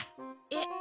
えっ。